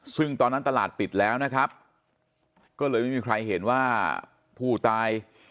ซึ่งตอนนั้นตลาดปิดแล้วนะครับก็เลยไม่มีใครเห็นว่าผู้ตาย